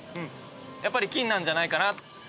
やっぱり金なんじゃないかな。